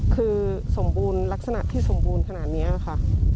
คือสมบูรณ์ลักษณะที่สมบูรณ์ขนาดนี้ค่ะ